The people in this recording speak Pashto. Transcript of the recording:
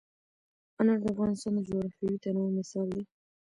انار د افغانستان د جغرافیوي تنوع مثال دی.